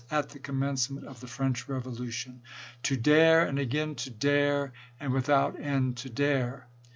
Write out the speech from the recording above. at the commencement of the French revolution, ' To slKcarS dare ! and again to dare ! and without end to dare